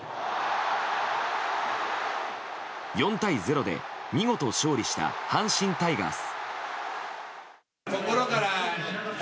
４対０で、見事勝利した阪神タイガース。